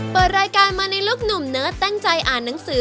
เปิดรายการมาในลุคหนุ่มเนิร์ดตั้งใจอ่านหนังสือ